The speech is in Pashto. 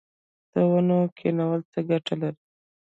د ونو کینول څه ګټه لري؟